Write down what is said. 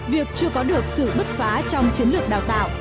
việc chưa có được sự bứt phá trong chiến lược đào tạo